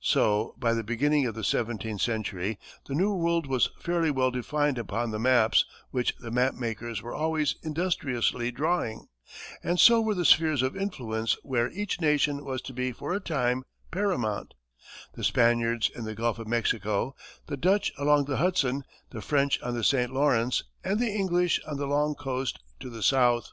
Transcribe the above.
So, by the beginning of the seventeenth century, the New World was fairly well defined upon the maps which the map makers were always industriously drawing; and so were the spheres of influence where each nation was to be for a time paramount; the Spaniards in the Gulf of Mexico, the Dutch along the Hudson, the French on the St. Lawrence, and the English on the long coast to the south.